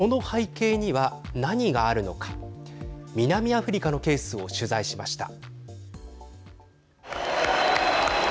この背景には何があるのか南アフリカのケースを取材しました。